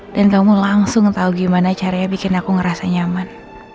dan kamu langsung tau gimana caranya bikin aku ngerasa nyaman